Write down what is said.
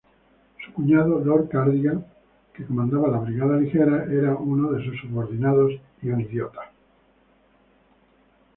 Su cuñado, Lord Cardigan, que comandaba la Brigada Ligera, era uno de sus subordinados.